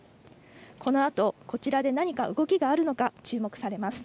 このあと、こちらで何か動きがあるのか、注目されます。